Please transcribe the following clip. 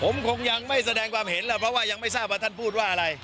ผมคงยังไม่แสดงความเห็นแหละเพราะว่ายังไม่ทราบว่าท่านพูดว่าอะไร